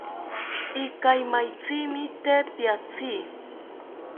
Ikaimaitzimi te piatzi